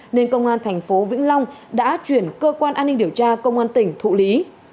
nên công an thành phố vĩnh long đã chuyển cơ quan an ninh điều tra công an tỉnh thụ lý